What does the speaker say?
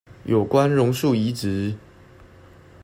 有關榕樹移植